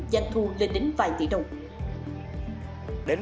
doanh thu lên đến vài tỷ đồng